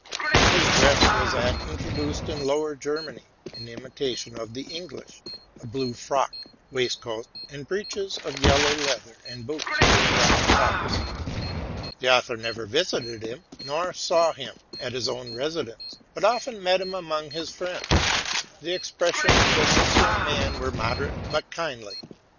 His dress was that intro duced in Lower Germany in imitation of the English, —a blue frock, waistcoat and breeches of yellow leather, and hoots with brown tops. The author never visited him, nor saw him at his own residence, but often met him among his friends. The expressions of this young man were moderate but kmdly.